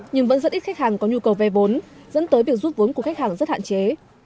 nhưng vẫn rất ít khách hàng có nhu cầu vay vốn dẫn tới việc giúp vốn của khách hàng rất hạn chế